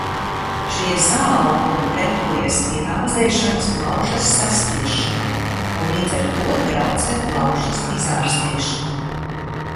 Šie saaugumi pretojas pie gāzēšanas plaušas saspiešanai un līdz ar to traucē plaušas izārstēšanai.